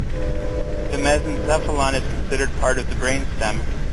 The mesencephalon is considered part of the brainstem.